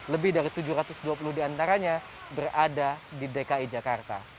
lebih dari tujuh ratus dua puluh diantaranya berada di dki jakarta